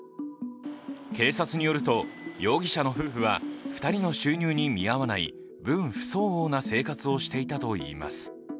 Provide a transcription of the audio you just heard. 警察によると、容疑者の夫婦は２人の収入に見合わない分不相応な生活をしていたといいます。